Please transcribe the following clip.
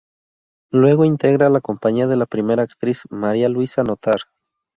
Luego integra la compañía de la primera actriz María Luisa Notar.